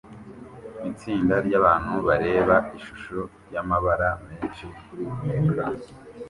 Itsinda ryabantu bareba ishusho yamabara menshi kuri ecran